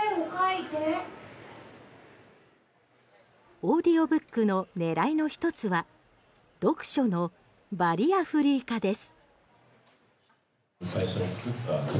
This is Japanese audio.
オーディオブックの狙いの１つは読書のバリアフリー化です。